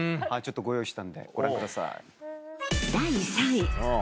ご用意したんでご覧ください。